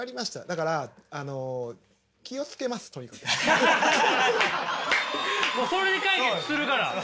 だからあのそれで解決するから。